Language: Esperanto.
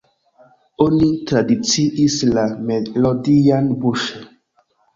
Oni tradiciis la melodian buŝe.